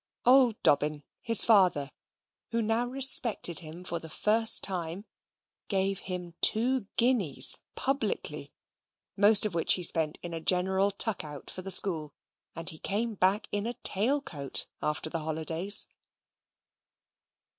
Old Dobbin, his father, who now respected him for the first time, gave him two guineas publicly; most of which he spent in a general tuck out for the school: and he came back in a tail coat after the holidays.